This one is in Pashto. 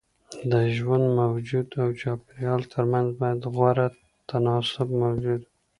د ژوندي موجود او چاپيريال ترمنځ بايد غوره تناسب موجود وي.